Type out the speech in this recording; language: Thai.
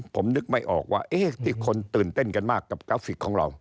ผมนึกไม่ออกว่าที่คนตื่นเต้นกันมากกับกราฟิกของเรา